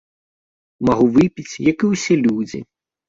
Магу выпіць, як і ўсе людзі.